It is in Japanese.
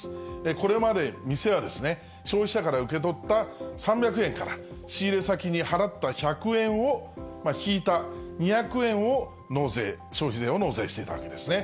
これまで店は、消費者から受け取った３００円から仕入れ先に払った１００円を引いた２００円を納税、消費税を納税していたわけですね。